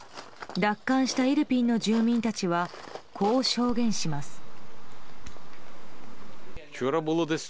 奪還したイルピンの住民たちはこう証言します。